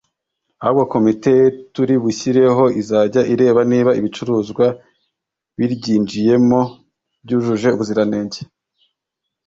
ahubwo komite turibushyireho izajya ireba niba ibicuruzwa biryinjiyemo byujuje ubuziranenge